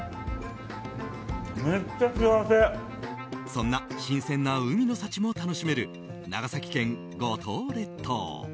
そんな新鮮な海の幸も楽しめる長崎県五島列島。